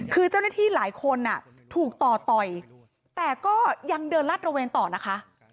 คือเจ้าหน้าที่หลายคนถูกต่อต่อยแต่ก็ยังเดินลาดระเวนต่อนะคะ